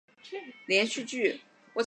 是一部新加坡的的华语电视连续剧。